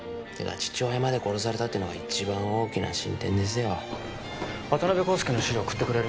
父親まで殺されたってのが一番大きな進展ですよ渡辺康介の資料送ってくれる？